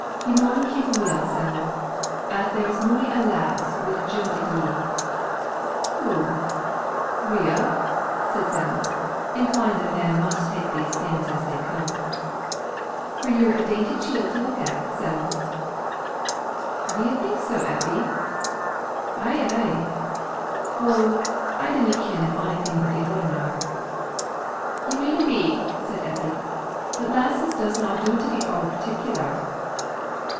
"Ye maun kin weel, Sam'l, at there's mony a lass wid jump at ye." "Ou, weel," said Sam'l, implying that a man must take these things as they come. "For ye're a dainty chield to look at, Sam'l." "Do ye think so, Eppie? Ay, ay; oh, I d'na kin am onything by the ordinar." "Ye mayna be," said Eppie, "but lasses doesna do to be ower partikler."